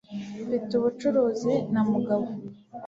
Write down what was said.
Mfite ubucuruzi na mugabo